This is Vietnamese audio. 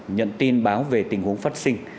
nhận tin báo về tình huống phát sinh